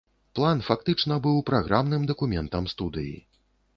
План фактычна быў праграмным дакументам студыі.